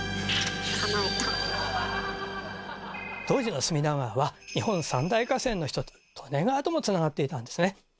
当時の隅田川は日本三大河川の一つ利根川ともつながっていたんですね。